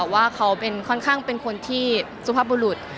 ว่าเขาเป็นค่อนข้างเป็นคนที่สุภาพบุรุษ